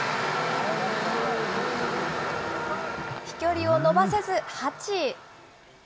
飛距離を伸ばせず８位。